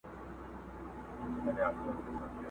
د نسترن څڼو کي٫